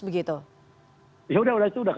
begitu ya udah itu sudah